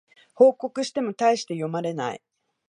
報告してもたいして読まれない